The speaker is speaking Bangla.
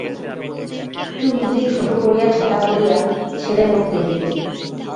চুলগুলি ছোটো করিয়া ছাঁটা বলিয়া ছেলের মতো দেখিতে।